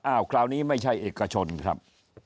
คราวนี้ไม่ใช่เอกชนครับ